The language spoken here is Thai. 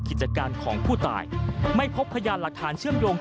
กิจการของผู้ตายไม่พบพยานหลักฐานเชื่อมโยง